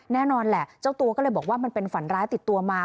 แน่นอนแหละเจ้าตัวก็เลยบอกว่ามันเป็นฝันร้ายติดตัวมา